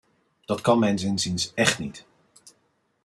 Dat kan mijns inziens echt niet.